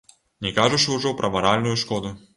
Не кажучы ўжо пра маральную шкоду.